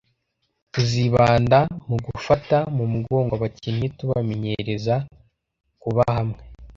Tuzibanda mugufata mu mugongo abakinyi tubamenyerezakubahamwe